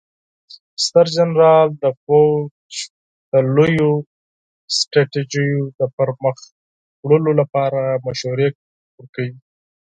ستر جنرال د پوځ د لویو ستراتیژیو د پرمخ وړلو لپاره مشورې ورکوي.